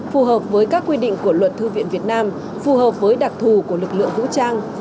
phù hợp với các quy định của luật thư viện việt nam phù hợp với đặc thù của lực lượng vũ trang